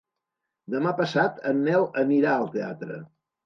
Demà passat en Nel anirà al teatre.